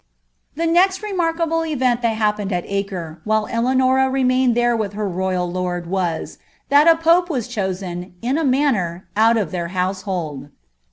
I'he nest renwrkable event that happened at Acre, while Elaanati »■ mained tliere with her royal Lord, was, that a pope was choeea, in ■ manner, out of their household.